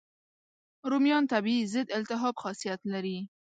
رومیان طبیعي ضد التهاب خاصیت لري.